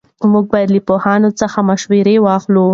موږ باید له پوهانو څخه مشوره واخلو.